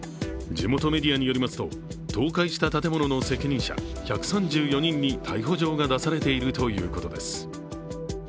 地元メディアによりますと倒壊した建物の責任者１３４人に逮捕状が出されているということです。